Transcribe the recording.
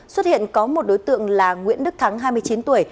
xuất hiện có một đối tượng là nguyễn đức thắng hai mươi chín tuổi